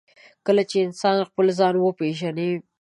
کله چې انسان خپل ځان وپېژني.